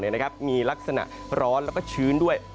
มีลักษณะร้อนแล้วก็ชื้นด้วย